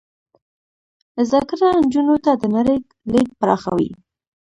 زده کړه نجونو ته د نړۍ لید پراخوي.